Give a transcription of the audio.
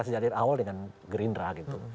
sejak dari awal dengan gerindra gitu